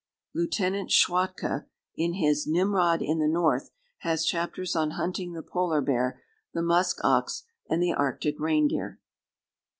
Lieutenant Schwatka, in his "Nimrod in the North," has chapters on hunting the polar bear, the musk ox, and the arctic reindeer.